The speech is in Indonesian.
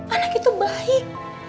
anak itu baik